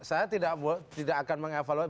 saya tidak akan mengevaluasi